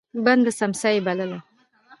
بنده سمڅه يې بلله.